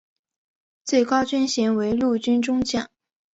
最高军衔为陆军中将。